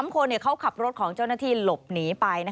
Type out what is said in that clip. ๓คนเขาขับรถของเจ้าหน้าที่หลบหนีไป